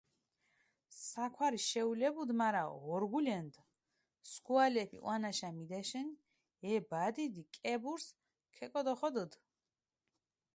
საქვარი შეულებუდჷ, მარა ორგულენდჷ, სქუალეფი ჸვანაშა მიდეშჷნი, ე ბადიდი კებურსჷ ქეკოდოხოდჷდჷ.